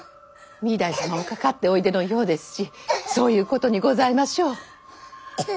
御台様もかかっておいでのようですしそういうことにございましょう。